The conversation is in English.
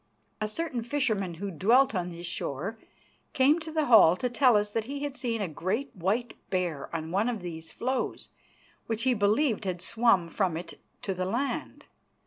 A certain fisherman who dwelt on this shore came to the hall to tell us that he had seen a great white bear on one of these floes, which, he believed, had swum from it to the land.